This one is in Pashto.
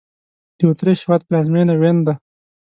د اوترېش هېواد پلازمېنه وین دی